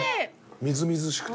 みずみずしくて。